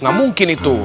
gak mungkin itu